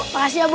makasih ya bu